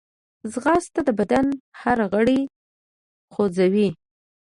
ځغاسته د بدن هر غړی خوځوي